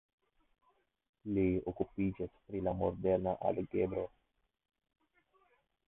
Li okupiĝis pri la moderna algebro.